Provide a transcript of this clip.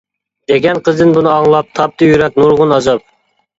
دېگەن قىزدىن بۇنى ئاڭلاپ، تاپتى يۈرەك نۇرغۇن ئازاب.